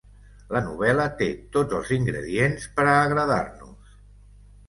La novel·la té tots els ingredients per a agradar-nos.